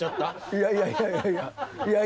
いやいやいやいやいや。